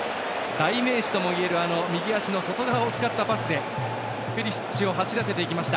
代名詞ともいえる右足の外側を使ったパスでペリシッチを走らせていきました。